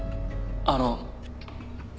あの。